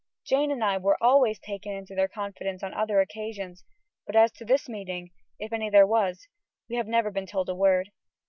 Jane and I were always taken into their confidence on other occasions, but as to this meeting, if any there was, we have never been told a word.